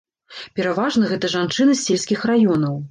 Пераважна, гэты жанчыны з сельскіх раёнаў.